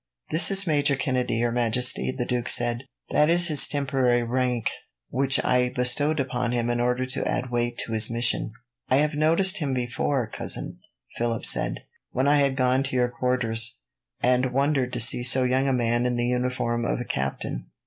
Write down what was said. "This is Major Kennedy, Your Majesty," the duke said. "That is his temporary rank, which I bestowed upon him in order to add weight to his mission." "I have noticed him before, cousin," Philip said, "when I had gone to your quarters, and wondered to see so young a man in the uniform of a captain.